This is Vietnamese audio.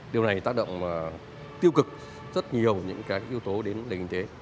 điều này tác động tiêu cực rất nhiều những yếu tố đến nền kinh tế